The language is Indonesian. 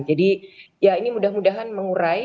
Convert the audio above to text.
jadi ya ini mudah mudahan mengurai